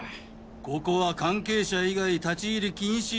ここは関係者以外立ち入り禁止！